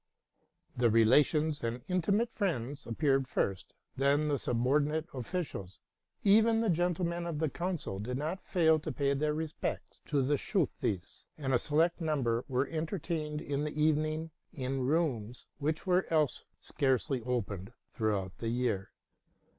The relations and intimate friends appeared first, then the subordinate officials; even the gen tlemen of the council did not fail to pay their respects to the Schultheiss, and a select number were entertained in the evening in rooms which were else scarcely opened throughout the year.